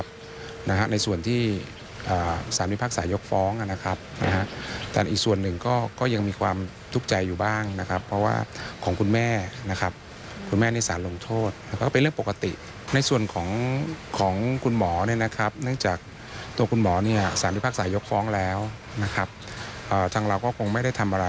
ฟังเสียงทนายความให้ข้อมูลตรงนี้หน่อยค่ะ